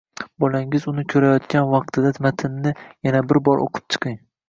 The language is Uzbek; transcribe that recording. Bolangiz uni ko‘rayotgan vaqtida matnni yana bir bor o‘qib chiqing.